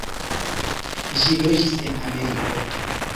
Ĝi loĝis en Ameriko.